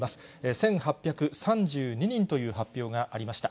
１８３２人という発表がありました。